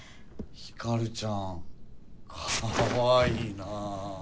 ヒカルちゃんかわいいな。